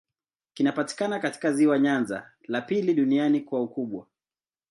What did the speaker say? Kinapatikana katika ziwa Nyanza, la pili duniani kwa ukubwa.